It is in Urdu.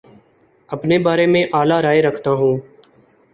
اپنے بارے میں اعلی رائے رکھتا ہوں